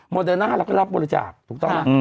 โมเดนาเราก็รับบริจักษ์ถูกต้องไหม